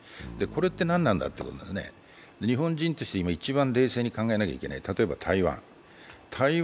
これって何なんだということで日本人として今、一番冷静に考えなきゃいけない、例えば台湾。